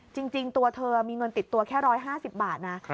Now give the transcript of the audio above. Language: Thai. จริงตัวเธอมีเงินติดตัวแค่๑๕๐บาทนะ